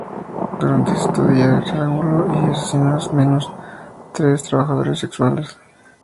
Durante su estadía, estranguló y asesinó a al menos tres trabajadoras sexuales.